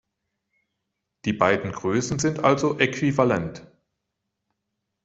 Die beiden Größen sind also äquivalent.